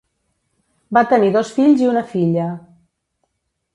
Va tenir dos fills i una filla.